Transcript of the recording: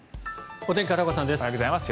おはようございます。